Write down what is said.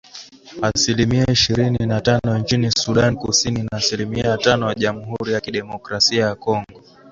Asilimia ishirini na tano nchini Sudan Kusini na asilimia tano Jamuhuri ya Kidemokrasia ya Kongo